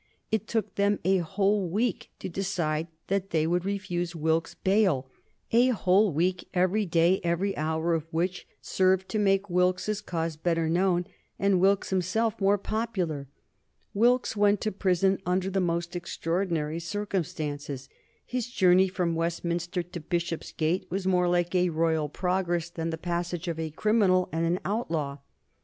It took them a whole week to decide that they would refuse Wilkes bail a whole week, every day, every hour of which served to make Wilkes's cause better known and Wilkes himself more popular. Wilkes went to prison under the most extraordinary circumstances. His journey from Westminster to Bishopsgate was more like a royal progress than the passage of a criminal and an outlaw.